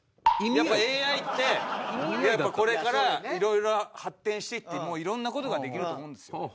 やっぱＡＩってこれからいろいろ発展していっていろんな事ができると思うんですよ。